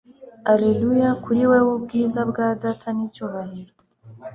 Alleluia kuri wewe ubwiza bwa Data n'icyubahiro